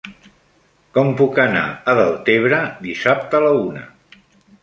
Com puc anar a Deltebre dissabte a la una?